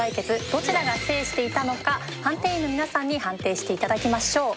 どちらが制していたのか判定員の皆さんに判定して頂きましょう。